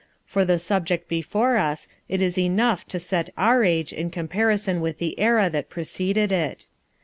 For the subject before us it is enough to set our age in comparison with the era that preceded it.